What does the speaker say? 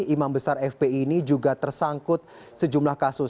imam besar fpi ini juga tersangkut sejumlah kasus